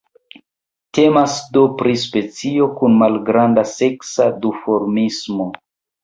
Temas do pri specio kun malgranda seksa duformismo.